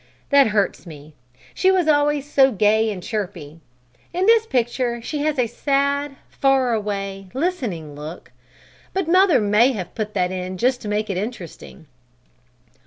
That hurts me. She was always so gay and chirpy. In this picture she has a sad, far away, listening look, but mother may have put that in just to make it interesting."